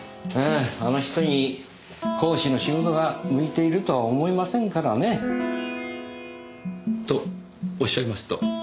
あの人に講師の仕事が向いているとは思えませんからね。とおっしゃいますと？